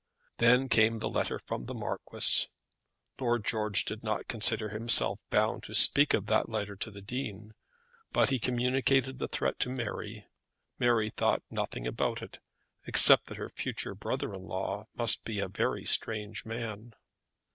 Then came the letter from the Marquis. Lord George did not consider himself bound to speak of that letter to the Dean; but he communicated the threat to Mary. Mary thought nothing about it, except that her future brother in law must be a very strange man.